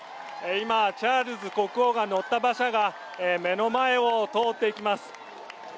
今、チャールズ国王が乗った馬車が目の前を通っていきます。